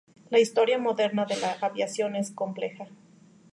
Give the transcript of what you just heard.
La historia moderna de la aviación es compleja.